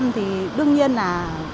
thì đương nhiên là